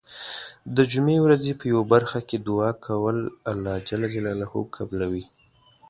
د جمعې ورځې په یو برخه کې دعا کول الله ج قبلوی .